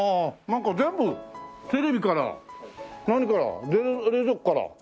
なんか全部テレビから何から冷蔵庫から全部。